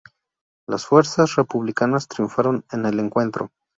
Las fuerzas republicanas triunfaron en el encuentro.